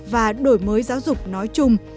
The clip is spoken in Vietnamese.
và đổi mới giáo dục nói chung